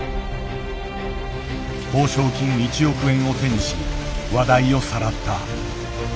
褒賞金１億円を手にし話題をさらった。